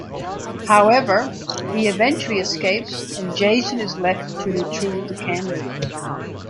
However, he eventually escapes and Jason is left to retrieve the candle.